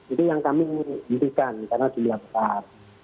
itu yang kami inginkan karena dunia besar